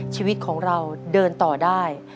ชีวิตของเราเดินต่อได้